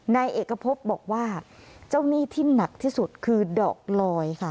นายเอกพบบอกว่าเจ้าหนี้ที่หนักที่สุดคือดอกลอยค่ะ